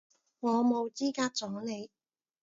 我冇資格阻你